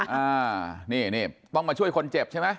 อ่านี่นี่ต้องมาช่วยคนเจ็บใช่ไหม